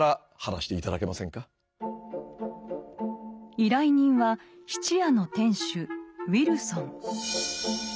依頼人は質屋の店主・ウィルソン。